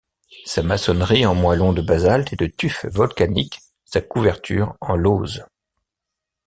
Sa maçonnerie en moëleons de basalte et de tuf volcanique, sa couverture en lauzes.